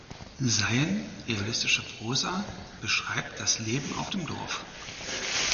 Seien realistische Prosa beschreibt das Leben auf dem Dorf.